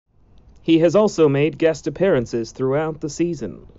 He has also made guest appearances throughout the season.